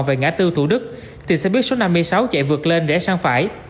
về ngã tư thủ đức thì xe buýt số năm mươi sáu chạy vượt lên rẽ sang phải